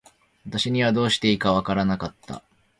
私にはどうしていいか分らなかった。